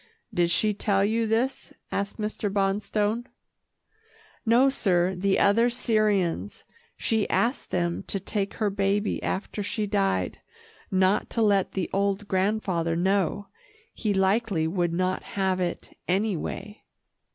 "Did she tell you this?" asked Mr. Bonstone. "No, sir, the other Syrians. She asked them to take her baby after she died, not to let the old grandfather know. He likely would not have it, anyway."